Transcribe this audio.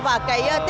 và cái tỷ số mà anh